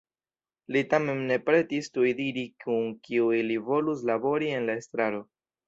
Li tamen ne pretis tuj diri kun kiuj li volus labori en la estraro.